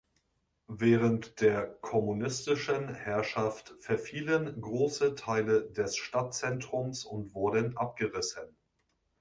Während der kommunistischen Herrschaft verfielen große Teile des Stadtzentrums und wurden abgerissen.